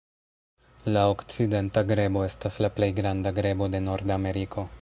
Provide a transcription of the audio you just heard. La Okcidenta grebo estas la plej granda grebo de Nordameriko.